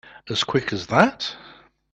As quick as that?